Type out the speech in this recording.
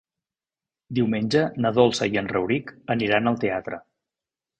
Diumenge na Dolça i en Rauric aniran al teatre.